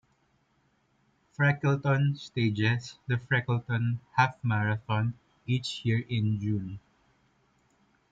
Freckleton stages the Freckleton Half Marathon each year in June.